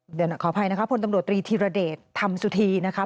เดี๋ยวหน่อยขออภัยนะครับพลตำรวจตรีธีรเดชธรรมสุธีนะครับ